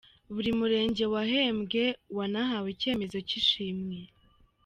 Buri murenge wahembwe wanahawe icyemezo cy’ishimwe.